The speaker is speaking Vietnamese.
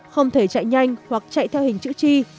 không thể chạy nhanh hoặc chạy theo hình chữ chi